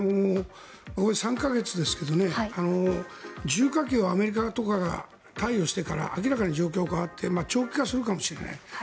３か月ですけどね重火器をアメリカとかが貸与してから明らかに状況が変わって長期化するかもしれない。